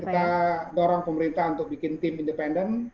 kita dorong pemerintah untuk bikin tim independen